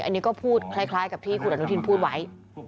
อันนี้ก็พูดคล้ายกับที่คุณอนุทินพูดไว้